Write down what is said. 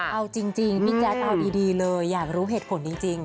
เอาจริงพี่แจ๊คเอาดีเลยอยากรู้เหตุผลจริง